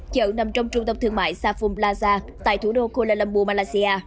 chợ nằm trong trung tâm thương mại safuan plaza tại thủ đô kuala lumpur malaysia